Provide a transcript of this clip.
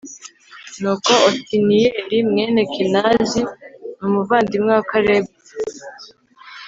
nuko otiniyeli mwene kenazi, umuvandimwe wa kalebu